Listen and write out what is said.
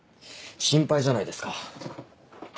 心配じゃないですか。